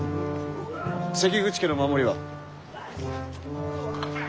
関口家の守りは？